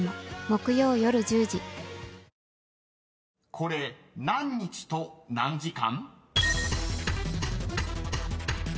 ［これ何日と何時間？］